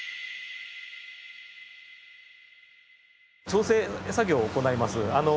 調整作業を行います。